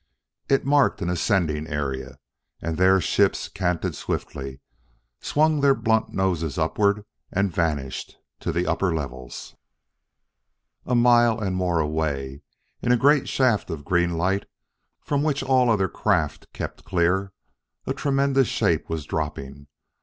It marked an ascending area, and there ships canted swiftly, swung their blunt noses upward, and vanished, to the upper levels. A mile and more away, in a great shaft of green light from which all other craft kept clear, a tremendous shape was dropping.